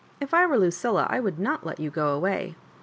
If I were Lucilla, I would not let you go away.